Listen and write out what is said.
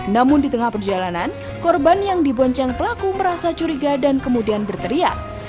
namun di tengah perjalanan korban yang dibonceng pelaku merasa curiga dan kemudian berteriak